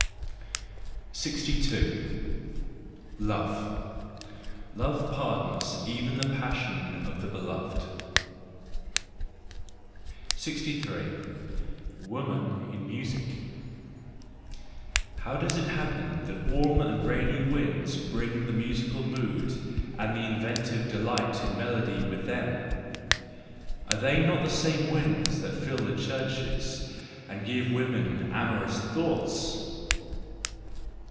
Love .—Love pardons even the passion of the beloved. 63* Woman in Music .—How does it happen that warm and rainy winds bring the musical mood and the inventive delight in melody with them? Are they not the same winds that fill the churches and give women amorous thoughts